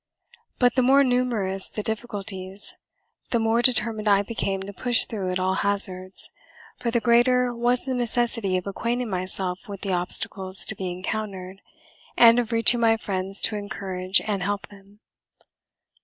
But the more numerous the difficulties, the more determined I became to push through at all hazards, for the greater was the necessity of acquainting myself with the obstacles to be encountered and of reaching my friends to encourage and help them.